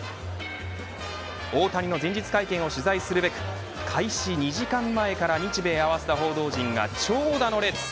大谷の前日会見を取材するべく開始２時間前から日米合わせた報道陣が長蛇の列。